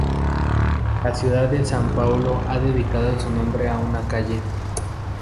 La ciudad de Sao Paulo ha dedicado su nombre a una calle.